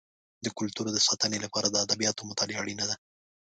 د کلتور د ساتنې لپاره د ادبیاتو مطالعه اړینه ده.